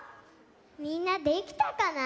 みんなできたかな？